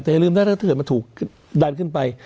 แต่อย่าลืมนะถ้าเกิดมันถูกดันขึ้นไป